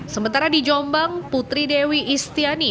sementara di jombang putri dewi istiani